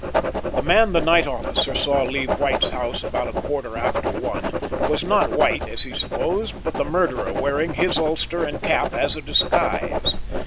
"The man the night officer saw leave White's house about a quarter after one o'clock was not White as he supposed, but the murderer wearing his ulster and cap as a disguise.